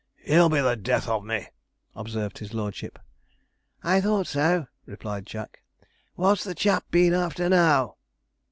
he'll be the death of me!' observed his lordship. 'I thought so,' replied Jack; 'what's the chap been after now?'